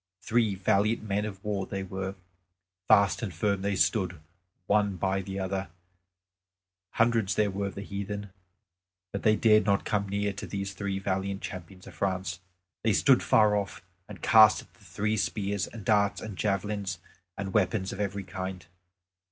Three valiant men of war they were; fast and firm they stood one by the other; hundreds there were of the heathen, but they dared not come near to these three valiant champions of France. They stood far off, and cast at the three spears and darts and javelins and weapons of every kind.